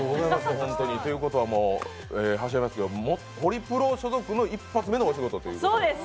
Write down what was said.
ということはハシヤスメさん、ホリプロ所属一発目のお仕事ということで。